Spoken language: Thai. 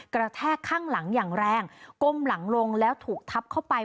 แทกข้างหลังอย่างแรงก้มหลังลงแล้วถูกทับเข้าไป